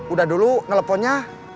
udah dulu ngeleponnya